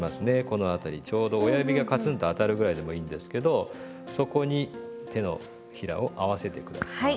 この辺りちょうど親指がカツンと当たるぐらいでもいいんですけどそこに手のひらを合わせて下さい。